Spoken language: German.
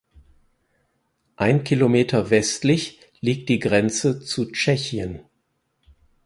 Ein Kilometer westlich liegt die Grenze zu Tschechien.